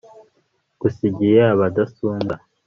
ngusigiye abadasumbwa